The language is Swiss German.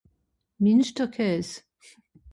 minsterkaes